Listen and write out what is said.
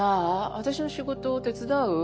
私の仕事手伝う？